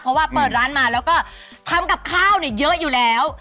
เพราะว่าเปิดร้านมาแล้วก็ทำกับข้าวเนี่ยเยอะอยู่แล้ว